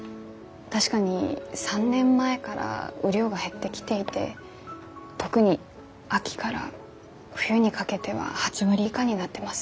確かに３年前から雨量が減ってきていて特に秋から冬にかけては８割以下になってます。